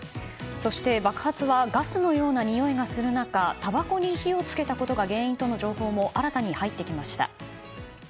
そして、爆発はガスのようなにおいがする中たばこに火を付けたことが原因との情報も新たに入ってきました。